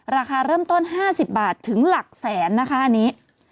ราคาเริ่มต้น๕๐บาทถึงหลักแสนนะคะอันนี้